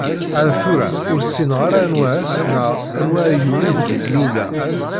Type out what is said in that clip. Ar tura ur ssineɣ ara anwa ass neɣ anwa ayyur ideg d-luleɣ.